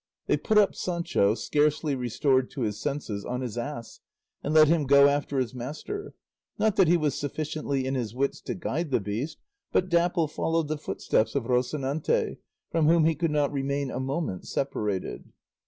They put up Sancho, scarcely restored to his senses, on his ass, and let him go after his master; not that he was sufficiently in his wits to guide the beast, but Dapple followed the footsteps of Rocinante, from whom he could not remain a moment separated.